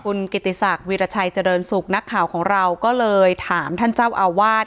คุณกิติศักดิ์วีรชัยเจริญสุขนักข่าวของเราก็เลยถามท่านเจ้าอาวาส